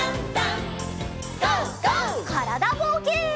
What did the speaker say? からだぼうけん。